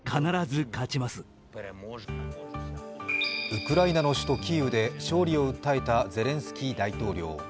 ウクライナの首都キーウで勝利を訴えたゼレンスキー大統領。